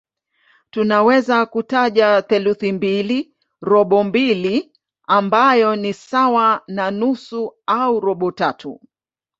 Tunaweza kutaja theluthi mbili, robo mbili ambayo ni sawa na nusu au robo tatu.